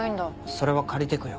それは借りていくよ。